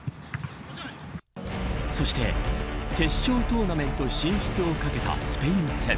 そして、決勝トーナメント進出をかけたスペイン戦。